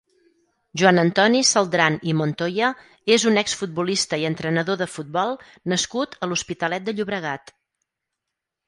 Joan Antoni Celdran i Montoya és un exfutbolista i entrenador de futbol nascut a l'Hospitalet de Llobregat.